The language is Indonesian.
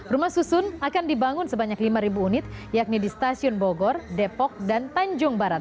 rumah susun akan dibangun sebanyak lima unit yakni di stasiun bogor depok dan tanjung barat